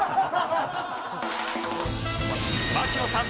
槙野さん